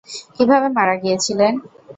কীভাবে মারা গিয়েছিলেন?